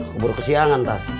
keburu ke siangan